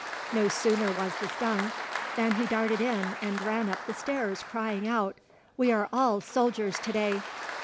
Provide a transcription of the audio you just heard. No sooner was this done than he darted in and ran up the stairs crying out, "We are all soldiers to day!"